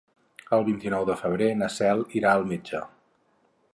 El vint-i-nou de febrer na Cel irà al metge.